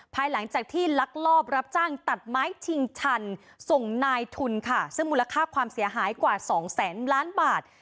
ภายหลังจากที่ลักลอบรับจ้างตัดไม้ชิงชันส่งนายทุนค่ะซึ่งมูลค่าความเสียหายกว่าสองแสนล้านบาท